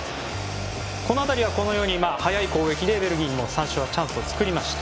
この辺りは速い攻撃でベルギーもチャンスを作りました。